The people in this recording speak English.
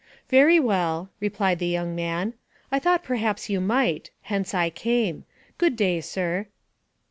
"Very well," replied the young man, "I thought perhaps you might; hence I came. Good day, sir."